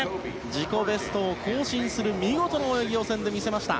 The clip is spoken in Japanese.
自己ベストを更新する見事な泳ぎを予選で見せました。